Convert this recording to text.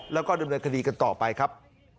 แล้วก็ดำเนินคดีกันต่อไปครับ